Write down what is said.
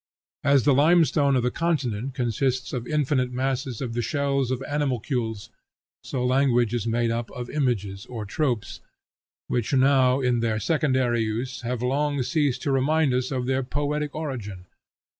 As the limestone of the continent consists of infinite masses of the shells of animalcules, so language is made up of images or tropes, which now, in their secondary use, have long ceased to remind us of their poetic origin.